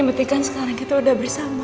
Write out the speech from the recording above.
berarti kan sekarang kita udah bersama